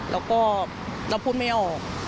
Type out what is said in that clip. แล้วก็เราพูดไม่ออก